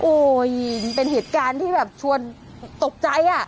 เป็นเหตุการณ์ที่แบบชวนตกใจอ่ะ